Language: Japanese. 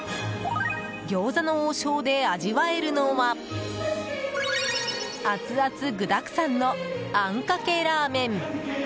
餃子の王将で味わえるのはアツアツ、具だくさんのあんかけラーメン！